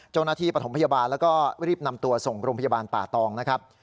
ปฐมพยาบาลแล้วก็รีบนำตัวส่งโรงพยาบาลป่าตองนะครับ